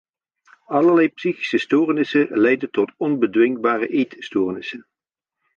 Allerlei psychische stoornissen leiden tot onbedwingbare eetstoornissen.